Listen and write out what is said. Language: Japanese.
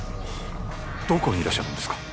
どこにいらっしゃるんですか？